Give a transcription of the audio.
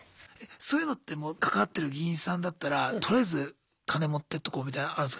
そういうのって関わってる議員さんだったらとりあえず金持ってっとこうみたいのあるんすか？